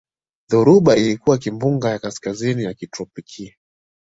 Dhoruba ilikuwa kimbunga ya kaskazini ya kitropiki